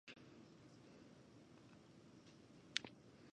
This can be done using the appropriate functions provided by the library.